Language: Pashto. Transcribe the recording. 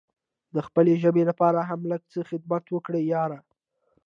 د خپلې ژبې لپاره هم لږ څه خدمت وکړه یاره!